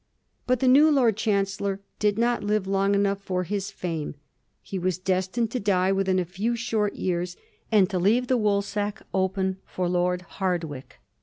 But the new Lord Chancellor did not live long enough for his fame. He was destined to die within a few short years, and to leave the wool sack open for Lord Hardwicke.